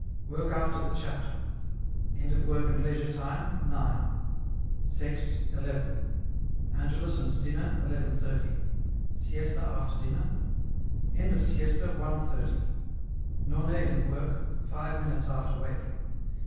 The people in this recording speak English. Work after the Chapter. End of work and leisure time. 9, Sext. II, Angelus and Dinner. 11.30. Siesta after Dinner. End of Siesta. 1.30. None and work, five minutes after waking.